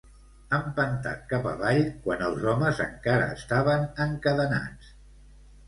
Empentat cap avall, quan els homes encara estaven encadenats.